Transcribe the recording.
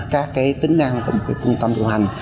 các cái tính năng của một cái trung tâm điều hành